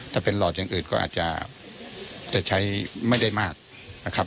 ถ้าเป็นหลอดอย่างอื่นก็อาจจะใช้ไม่ได้มากนะครับ